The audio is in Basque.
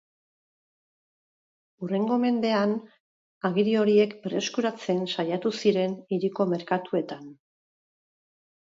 Hurrengo mendean agiri horiek berreskuratzen saiatu ziren hiriko merkatuetan.